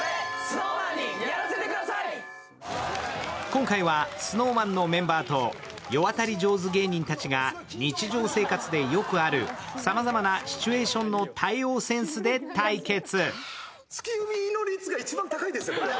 今回はＳｎｏｗＭａｎのメンバーと世渡り上手芸人たちが日常生活でよくあるさまざまなシチュエーションの対応センスで対決。